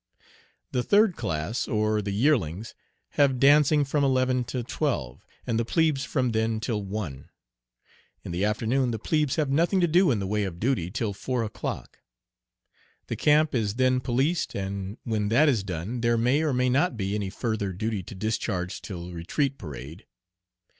The third class, or the yearlings, have dancing from eleven to twelve, and the plebes from then till one. In the afternoon the plebes have nothing to do in the way of duty till four o'clock. The camp is then policed, and when that is done there may or may not be any further duty to discharge till retreat parade.